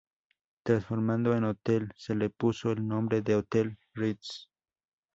Transformado en hotel, se le puso el nombre de Hotel Ritz.